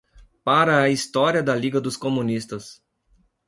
Para a História da Liga dos Comunistas